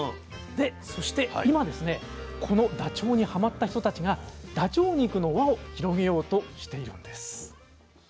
そして今このダチョウにはまった人たちがダチョウ肉の輪を広げようとしているんです。